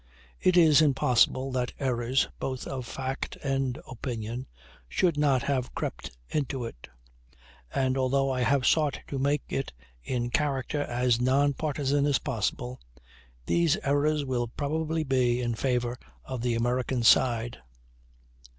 It is impossible that errors, both of fact and opinion, should not have crept into it; and although I have sought to make it in character as non partisan as possible, these errors will probably be in favor of the American side.